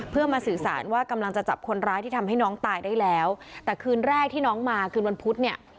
เพื่อมาสื่อสารว่ากำลังจะจับคนร้ายที่ทำให้น้องตายได้แล้วแต่คืนแรกที่น้องมาคืนวันพุธเนี่ย